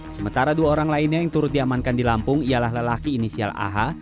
sementara dua orang lainnya yang turut diamankan di lampung ialah lelaki inisial aha